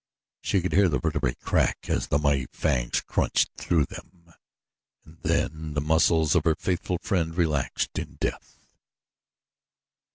She could hear the vertebrae crack as the mighty fangs crunched through them, and then the muscles of her faithful friend relaxed in death.